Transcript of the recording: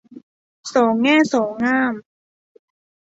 สองแง่สองง่าม